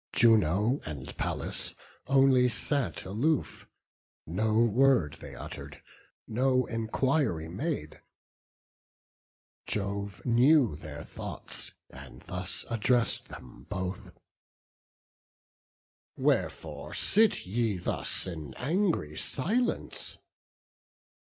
Juno and Pallas only sat aloof; No word they utter'd, no enquiry made. Jove knew their thoughts, and thus address'd them both: "Pallas and Juno, wherefore sit ye thus In angry silence?